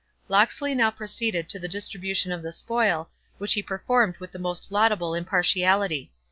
Locksley now proceeded to the distribution of the spoil, which he performed with the most laudable impartiality.